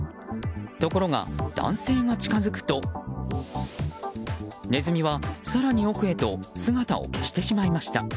ところが男性が近づくとネズミは更に奥へと姿を消してしまいました。